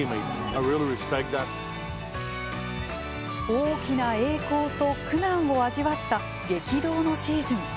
大きな栄光と苦難を味わった激動のシーズン